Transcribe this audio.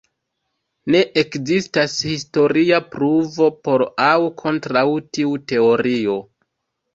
Ne ekzistas historia pruvo por aŭ kontraŭ tiu teorio.